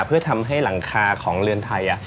เพื่อทำให้หลังคาของเรือนไทย